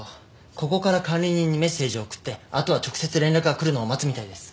ここから管理人にメッセージを送ってあとは直接連絡が来るのを待つみたいです。